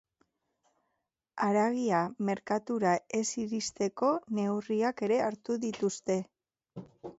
Haragia merkatura ez iristeko neurriak ere hartu dituzte.